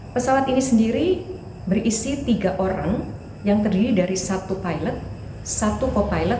pesawat ini sendiri berisi tiga orang yang terdiri dari satu pilot satu co pilot